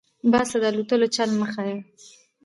- باز ته دالوتلو چل مه ښیه.